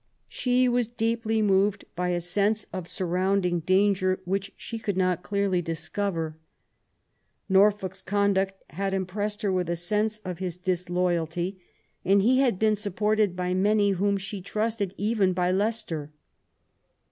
She was deeply moved by a sense of surrounding danger which she could not clearly discover. Nor folk's conduct had impressed her with a sense of his disloyalty, and he had been supported by many whom she trusted, even by Leicester.